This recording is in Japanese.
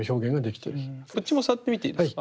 こっちも触ってみていいですか？